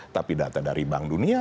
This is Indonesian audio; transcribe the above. tapi data dari bank dunia